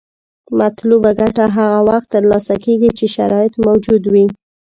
مطلوبه ګټه هغه وخت تر لاسه کیږي چې شرایط موجود وي.